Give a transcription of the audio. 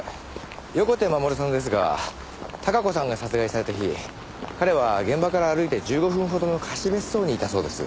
横手護さんですが孝子さんが殺害された日彼は現場から歩いて１５分ほどの貸別荘にいたそうです。